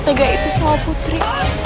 tegak itu sama putri